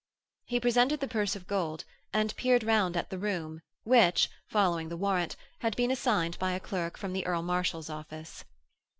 He presented the purse of gold, and peered round at the room which, following the warrant, had been assigned by a clerk from the Earl Marshal's office.